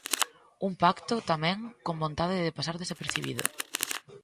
Un pacto, tamén, con vontade de pasar desapercibido.